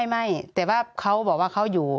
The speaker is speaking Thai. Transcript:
ไม่แต่ว่าเขาบอกว่าเขาอยู่